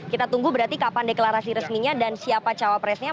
kita tunggu berarti kapan deklarasi resminya dan siapa cawapresnya